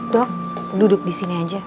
dok duduk di sini aja